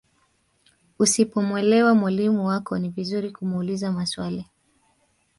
Usipomwelewa mwalimu wako ni vizuri kumuuliza maswali.